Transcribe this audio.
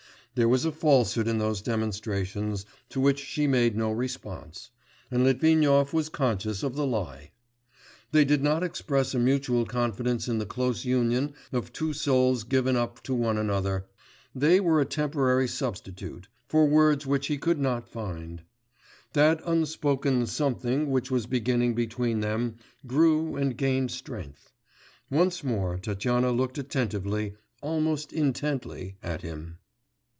There was a falsehood in those demonstrations, to which she made no response, and Litvinov was conscious of the lie. They did not express a mutual confidence in the close union of two souls given up to one another; they were a temporary substitute for words which he could not find. That unspoken something which was beginning between them grew and gained strength. Once more Tatyana looked attentively, almost intently, at him.